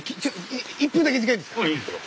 １分だけ時間いいですか？